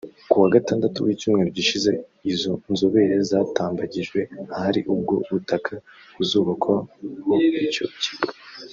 Ku wa Gatandatu w’icyumweru gishize izo nzobere zatambagijwe ahari ubwo butaka buzubakwaho icyo kigo